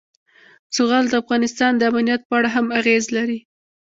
زغال د افغانستان د امنیت په اړه هم اغېز لري.